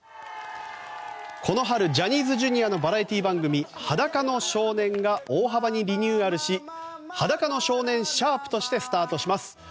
この春、ジャニーズＪｒ．のバラエティー番組「裸の少年」が大幅にリニューアルし「♯裸の少年」としてスタートします。